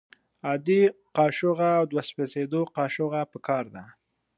عادي قاشوغه او د سوځیدو قاشوغه پکار ده.